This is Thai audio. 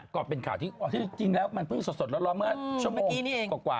ก็เป็นข่าวที่จริงแล้วมันเพิ่งสดร้อนเมื่อชั่วโมงกว่า